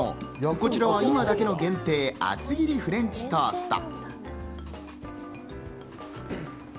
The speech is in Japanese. こちらは今だけの限定、厚切りフレンチトースト。